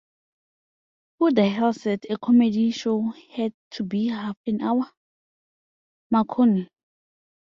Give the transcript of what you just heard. Who the hell said a comedy show had to be half an hour, Marconi?